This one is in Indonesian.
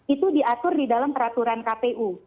itu diatur di dalam peraturan kpu